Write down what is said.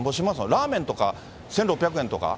ラーメンとか１６００円とか？